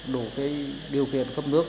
đủ cái điều kiện cấp nước